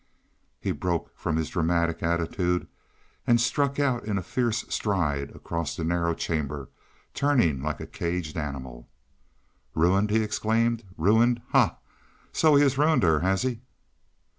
—" He broke from his dramatic attitude and struck out in a fierce stride across the narrow chamber, turning like a caged animal. "Ruined!" he exclaimed. "Ruined! Ha! So he has ruined her, has he?"